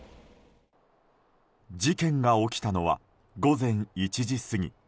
事件が起きたのは午前１時過ぎ。